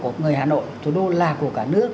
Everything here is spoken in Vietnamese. của người hà nội thủ đô là của cả nước